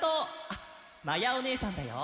あっまやおねえさんだよ。